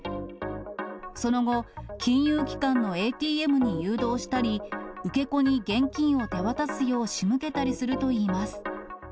その後、金融機関のＡＴＭに誘導したり、受け子に現金を手渡すよう仕向けたりするといいます。